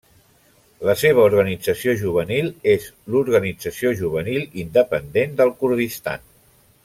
La seva organització juvenil és l'Organització Juvenil Independent del Kurdistan.